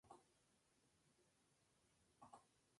Tiene un gato pero no desea hijos.